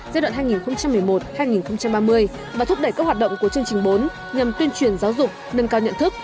giai đoạn hai nghìn một mươi một hai nghìn ba mươi và thúc đẩy các hoạt động của chương trình bốn nhằm tuyên truyền giáo dục nâng cao nhận thức